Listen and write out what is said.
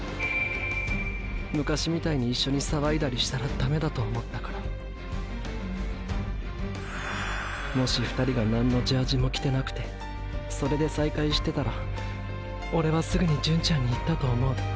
昔みたいに一緒に騒いだりしたらダメだと思ったからもし２人が何のジャージも着てなくてそれで再会してたらオレはすぐに純ちゃんに言ったと思う。